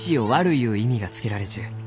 ゆう意味がつけられちゅう。